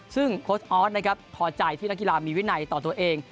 ซึ่งโค้ชออสนะครับพอใจที่นักกีฬามีวินัยต่อตัวเอง